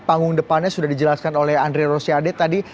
panggung depannya sudah dijelaskan oleh andre rosiade tadi